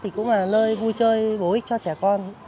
thì cũng là nơi vui chơi bổ ích cho trẻ con